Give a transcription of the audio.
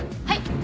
はい。